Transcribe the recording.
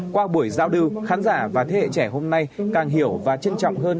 qua buổi giao lưu khán giả và thế hệ trẻ hôm nay càng hiểu và trân trọng hơn